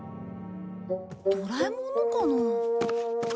ドラえもんのかな？